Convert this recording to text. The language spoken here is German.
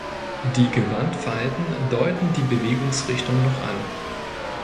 Die Gewandfalten deuten die Bewegungsrichtung noch an.